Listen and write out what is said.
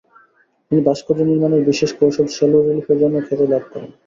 তিনি ভাস্কর্য নির্মাণের বিশেষ কৌশল শ্যালো রিলিফের জন্য খ্যাতি লাভ করেন।